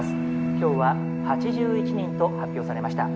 今日は８１人と発表されました」。